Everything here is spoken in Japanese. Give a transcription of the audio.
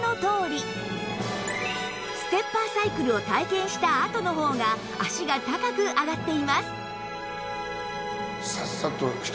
ステッパーサイクルを体験したあとの方が足が高く上がっています